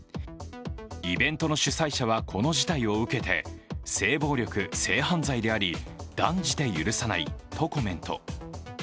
イベントの主催者は、この事態を受けて性暴力、性犯罪であり、断じて許さないとコメント。